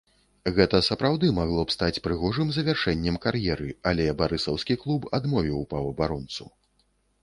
Гэта сапраўды магло б стаць прыгожым завяршэннем кар'еры, але барысаўскі клуб адмовіў паўабаронцу.